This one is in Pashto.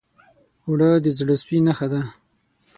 اوړه د زړه سوي نښه ده